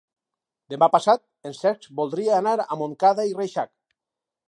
Demà passat en Cesc voldria anar a Montcada i Reixac.